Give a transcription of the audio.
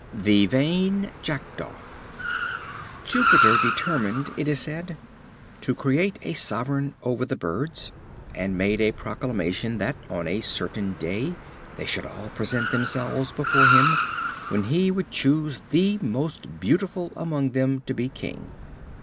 The Vain Jackdaw. Jupiter determined, it is said, to create a sovereign over the birds, and made proclamation that, on a certain day, they should all present themselves before him, when he would himself choose the most beautiful among them to be king.